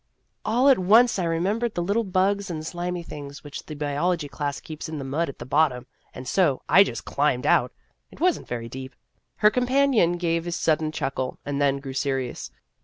" All at once I remembered the little bugs and slimy things which the biology class keeps in the mud at the bottom, and so I just climbed out. It was n't very deep." Her companion gave a sudden chuckle, and then grew serious.